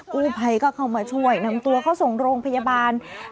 กู้ภัยก็เข้ามาช่วยนำตัวเขาส่งโรงพยาบาล